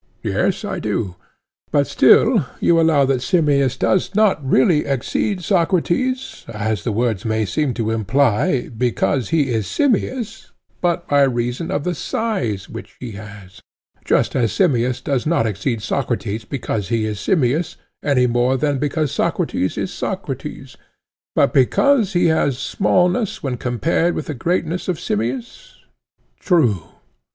Yes, I do. But still you allow that Simmias does not really exceed Socrates, as the words may seem to imply, because he is Simmias, but by reason of the size which he has; just as Simmias does not exceed Socrates because he is Simmias, any more than because Socrates is Socrates, but because he has smallness when compared with the greatness of Simmias? True.